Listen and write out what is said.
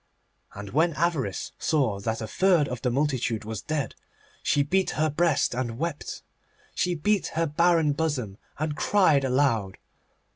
And when Avarice saw that a third of the multitude was dead she beat her breast and wept. She beat her barren bosom, and cried aloud.